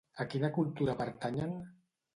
A quina cultura pertanyen?